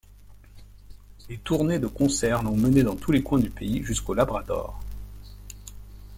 Les tournées de concerts l’ont menée dans tous les coins du pays, jusqu’au Labrador.